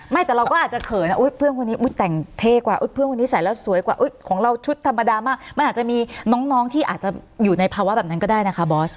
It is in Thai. แต่เราก็อาจจะเขินนะเพื่อนคนนี้แต่งเทกว่าเพื่อนคนนี้ใส่แล้วสวยกว่าของเราชุดธรรมดามากมันอาจจะมีน้องที่อาจจะอยู่ในภาวะแบบนั้นก็ได้นะคะบอส